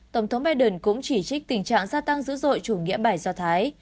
tổng thống biden cũng chỉ trích tình trạng gia tăng dữ dội chủ nghĩa bài do thái